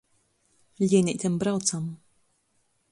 Lieneitem braucam.